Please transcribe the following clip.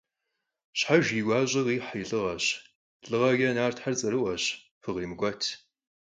Щхьэж и гуащӀэ къихь и лӀыгъэщ, лӀыгъэкӀэ нартхэр цӀэрыӀуэщ, фыкъимыкӀуэт!